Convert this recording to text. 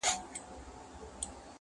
رندان سنګسار ته یوسي دوی خُمونه تښتوي!.